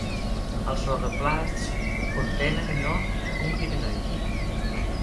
Els rodoplasts contenen i no un pirenoide.